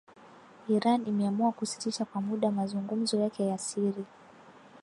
Iran imeamua kusitisha kwa muda mazungumzo yake ya siri